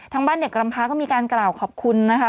บ้านเด็กกรำพาก็มีการกล่าวขอบคุณนะคะ